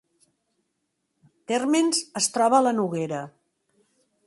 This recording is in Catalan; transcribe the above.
Térmens es troba a la Noguera